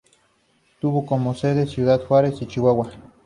Tuvo como sede Ciudad Juárez, Chihuahua.